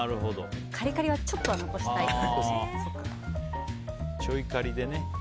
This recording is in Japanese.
カリカリはちょっと残したいんですね。